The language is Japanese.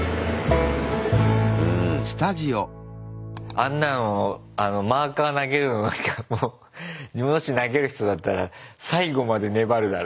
あんなのあのマーカー投げるのなんかももし投げる人だったら最後まで粘るだろ。